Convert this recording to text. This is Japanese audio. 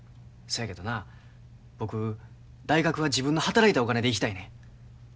そやけどな僕大学は自分の働いたお金で行きたいねん。